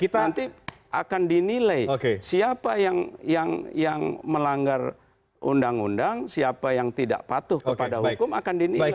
nanti akan dinilai siapa yang melanggar undang undang siapa yang tidak patuh kepada hukum akan dinilai